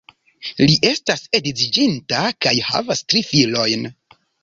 Li estas edziĝinta kaj havas tri filojn.